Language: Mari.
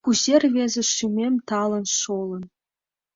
Кузе рвезе шӱмем талын шолын!